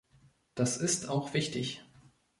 Das ist auch wichtig.